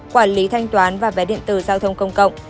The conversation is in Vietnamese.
quản lý thanh toán và vé điện tử giao thông công cộng